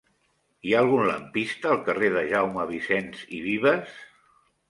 Hi ha algun lampista al carrer de Jaume Vicens i Vives?